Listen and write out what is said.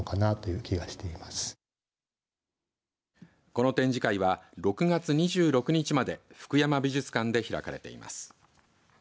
この展示会は６月２６日までふくやま美術館で開かれています。